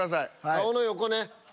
顔の横ね。